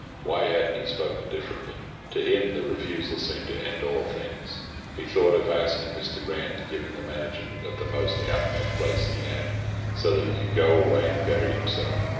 Why hadn't he spoken differently? To him the refusal seemed the end of all things. He thought of asking Mr. Grant to give him the management of the most out back place he had, so that he could go away and bury himself.